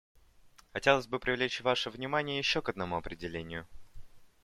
Хотелось бы привлечь ваше внимание еще к одному определению.